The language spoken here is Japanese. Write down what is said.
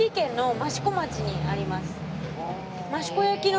益子焼の？